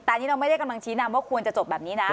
แต่อันนี้เราไม่ได้กำลังชี้นำว่าควรจะจบแบบนี้นะ